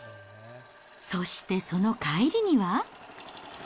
そしてその帰りには。